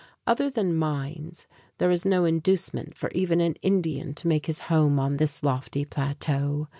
Other than mines, there is no inducement for even an Indian to make his home on this lofty plateau.